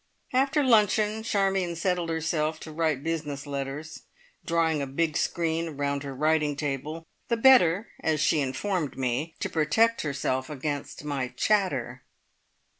After luncheon Charmion settled herself to write business letters, drawing a big screen round her writing table, the better, as she informed me, to protect herself against my chatter.